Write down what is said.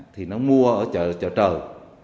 thì nó mua ở chợ trời